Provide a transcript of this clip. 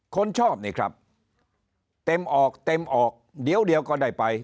คนชอบนี่ครับเต็มออกเต็มออกเดี๋ยวก็ได้ไป